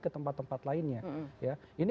ke tempat tempat lainnya ya ini